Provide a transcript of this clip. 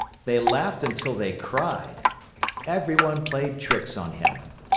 They laughed until they cried. Everyone played tricks on him.